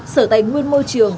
sở tại nguyên môi trường